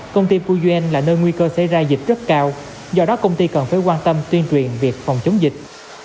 công ty của doanh là nơi nguy cơ xảy ra dịch rất cao do đó công ty cần phải quan tâm tuyên truyền việc phòng chống dịch